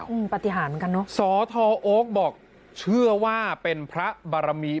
ปฏิหารเหมือนกันเนอะสอทอโอ๊คบอกเชื่อว่าเป็นพระบารมี